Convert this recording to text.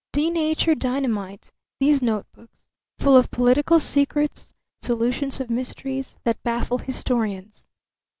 Denatured dynamite, these notebooks, full of political secrets, solutions of mysteries that baffle historians.